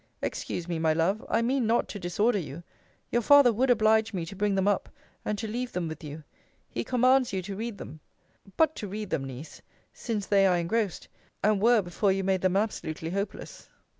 Excuse me, my love I mean not to disorder you: your father would oblige me to bring them up, and to leave them with you. He commands you to read them. But to read them, Niece since they are engrossed, and were before you made them absolutely hopeless.